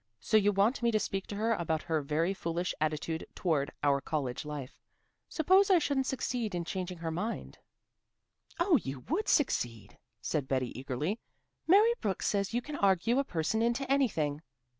So you want me to speak to her about her very foolish attitude toward our college life. Suppose I shouldn't succeed in changing her mind?" "Oh, you would succeed," said Betty eagerly. "Mary Brooks says you can argue a person into anything."